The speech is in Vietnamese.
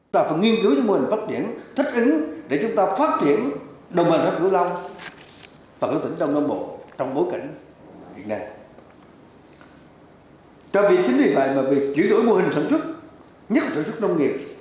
chúng ta phải nghiên cứu cho mô hình phát triển thích ứng để chúng ta phát triển đồng hành sản xuất cửu long